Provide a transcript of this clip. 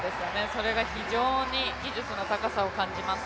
それが非常に技術の高さを感じます。